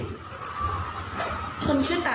คนเคลื่อนแต่หรือคนภิมิ